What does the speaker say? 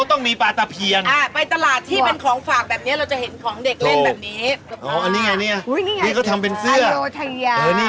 อ่ะไปตลาดที่เป็นของฝากแบบนี้เราจะเห็นของเด็กเล่นแบบนี้